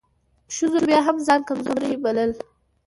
ښځو بيا هم ځان کمزورۍ بلل .